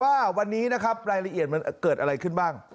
ว่าวันนี้นะครับรายละเอียดมันเกิดอะไรขึ้นบ้าง